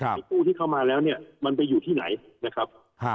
ไอ้กู้ที่เข้ามาแล้วเนี่ยมันไปอยู่ที่ไหนนะครับ